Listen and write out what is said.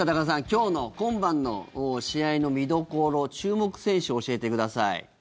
今日の、今晩の試合の見どころ、注目選手を教えてください。